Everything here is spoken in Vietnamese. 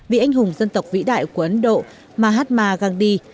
vị anh hùng dân tộc vĩ đại của ấn độ mahatma gandhi